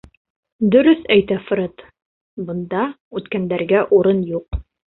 — Дөрөҫ әйтә Фред, бында үткәндәргә урын юҡ.